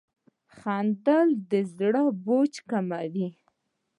• خندېدل د زړه بوج کموي.